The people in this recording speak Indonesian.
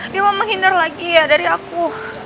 dia mau menghindar lagi ya dari aku